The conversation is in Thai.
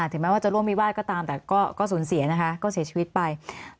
ถึงแม้ว่าจะร่วมวิวาสก็ตามแต่ก็สูญเสียนะคะก็เสียชีวิตไป